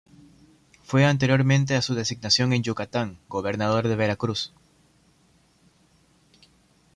Fue anteriormente a su designación en Yucatán, gobernador de Veracruz.